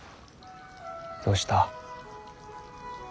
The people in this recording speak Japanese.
どうした。